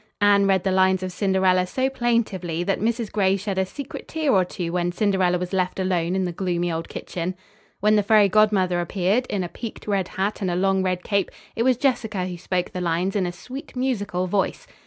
Anne read the lines of Cinderella so plaintively that Mrs. Gray shed a secret tear or two when Cinderella was left alone in the gloomy old kitchen. When the fairy godmother appeared, in a peaked red hat and a long red cape, it was Jessica who spoke the lines in a sweet, musical voice.